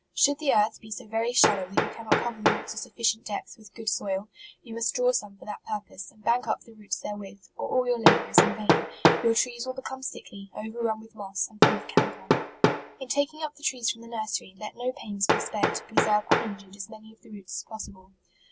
Should the earth be so very shallow that you cannot cover the roots a sufficient depth with good soil, you must draw some for that purpose, and bank up the roots therewith, or all your labour is in vain ; your trees will become sickly, over 56 ilARCH. run with moss, and full of canker. In taking up the trees from the nursery, let no pains be spared to preserve uninjured as many of the roots as possible.